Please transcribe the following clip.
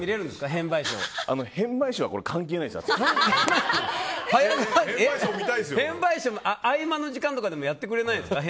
変梅ショー、合間の時間とかでもやってくれないんですか。